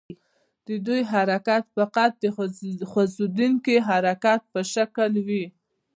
د دوی حرکت فقط د خوځیدونکي حرکت په شکل وي.